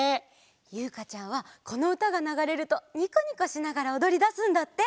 ゆうかちゃんはこのうたがながれるとニコニコしながらおどりだすんだって。